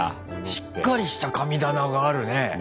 しっかりした神棚があるね。